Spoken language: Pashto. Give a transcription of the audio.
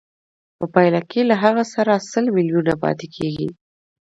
په پایله کې له هغه سره سل میلیونه پاتېږي